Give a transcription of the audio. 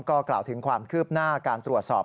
ก็กล่าวถึงความคืบหน้าการตรวจสอบ